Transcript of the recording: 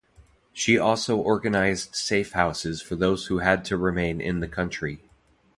She also organised safe houses for those who had to remain in the country.